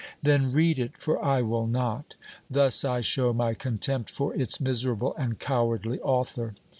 "Then read it, for I will not! Thus I show my contempt for its miserable and cowardly author!"